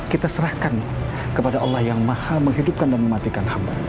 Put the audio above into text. kita serahkan kepada allah yang maha menghidupkan dan mematikan hamba